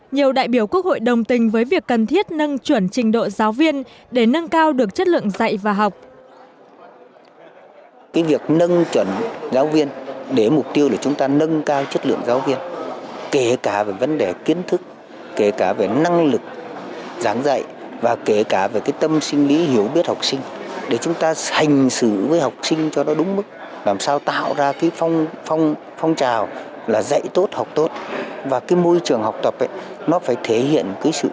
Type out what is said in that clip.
nhiều đại biểu quốc hội đồng tình với việc cần thiết nâng chuẩn trình độ giáo viên để nâng cao được chất lượng dạy và học